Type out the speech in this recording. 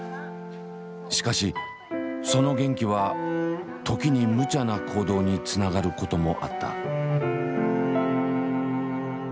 しかしその元気は時にむちゃな行動につながることもあった。